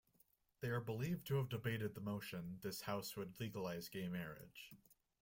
They are believed to have debated the motion This House would legalise gay marriage.